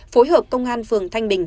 phối hợp công an phường thanh bình